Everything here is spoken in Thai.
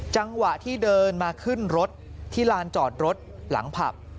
จังหวะที่เดินมาขึ้นรถที่ลานจอดรถหลังผับ